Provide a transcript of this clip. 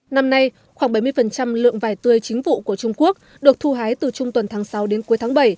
năm nay khoảng bảy mươi lượng vải tươi chính vụ của trung quốc được thu hái từ trung tuần tháng sáu đến cuối tháng bảy